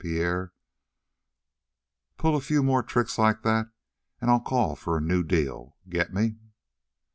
Pierre, pull a few more tricks like that and I'll call for a new deal. Get me?"